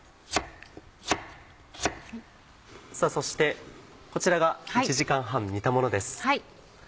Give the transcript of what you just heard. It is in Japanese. そしてこちらが１時間半煮たものです。